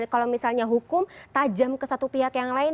kalau misalnya hukum tajam ke satu pihak yang lain